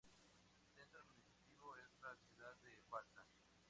Centro administrativo es la ciudad de Balta.